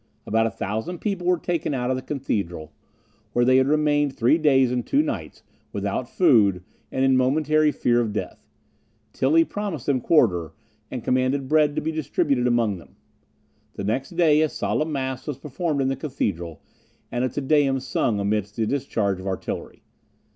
About a thousand people were taken out of the cathedral, where they had remained three days and two nights, without food, and in momentary fear of death. Tilly promised them quarter, and commanded bread to be distributed among them. The next day, a solemn mass was performed in the cathedral, and 'Te Deum' sung amidst the discharge of artillery.